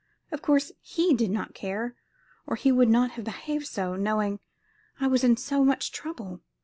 Of course he did not care, or he would not have behaved so, knowing I was in so much trouble.